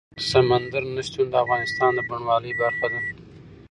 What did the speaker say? سمندر نه شتون د افغانستان د بڼوالۍ برخه ده.